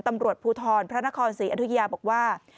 ตำรวจภูทรพระนครศรีอยุธยาบอกว่า